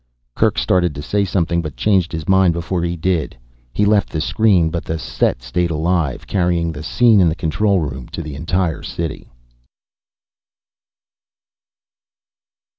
Kerk started to say something, but changed his mind before he did. He left the screen, but the set stayed alive. Carrying the scene in the control room to the entire city.